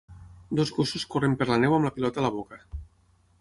Dos gossos corren per la neu amb la pilota a la boca.